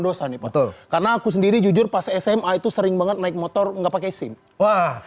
dosa di betul karena aku sendiri jujur pas sm itu sering banget naik motor nggak pakai sim wah